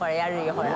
ほら。